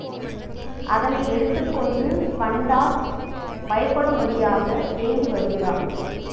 அதனை எடுத்துக் கொண்டு கண்டார் பயப்படும்படியாக ஏந்தி வருகிறாள்.